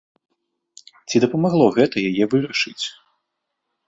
Ці дапамагло гэта яе вырашыць?